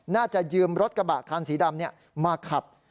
น่าจะยืมรถกระบะคันสีดำมาขับ